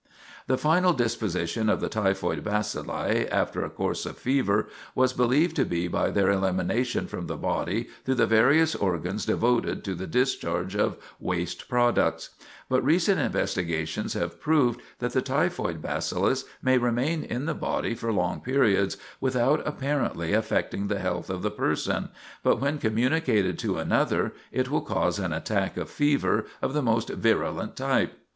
The final disposition of the typhoid bacilli, after a course of fever, was believed to be by their elimination from the body through the various organs devoted to the discharge of waste products; but recent investigations have proved that the typhoid bacillus may remain in the body for long periods without apparently affecting the health of the person, but when communicated to another, it will cause an attack of fever of the most virulent type.